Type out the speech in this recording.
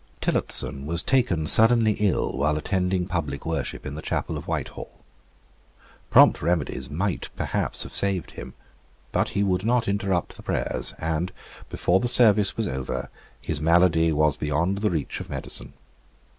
Tillotson was taken suddenly ill while attending public worship in the chapel of Whitehall. Prompt remedies might perhaps have saved him; but he would not interrupt the prayers; and, before the service was over, his malady was beyond the reach of medicine.